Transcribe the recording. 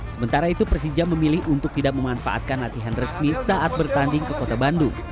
sementara itu persija memilih untuk tidak memanfaatkan latihan resmi saat bertanding ke kota bandung